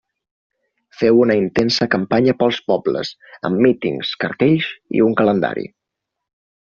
Feu una intensa campanya pels pobles, amb mítings, cartells i un calendari.